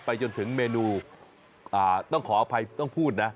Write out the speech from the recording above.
จนถึงเมนูต้องขออภัยต้องพูดนะ